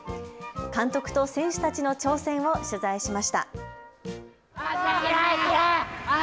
監督と選手たちの挑戦を取材しました。